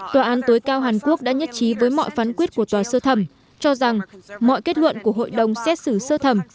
tòa án tối cao hàn quốc đã nhất trí với mọi phán quyết của tòa sơ thẩm cho rằng mọi kết luận của hội đồng xét xử sơ thẩm